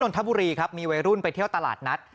ทบุรีครับมีวัยรุ่นไปเที่ยวตลาดนัด